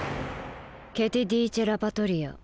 「ケ・ティ・ディーチェ・ラ・パトリア」。